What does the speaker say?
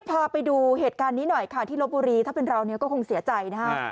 พาไปดูเหตุการณ์นี้หน่อยค่ะที่ลบบุรีถ้าเป็นเราเนี่ยก็คงเสียใจนะฮะ